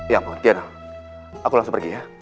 ya mbak giana aku langsung pergi ya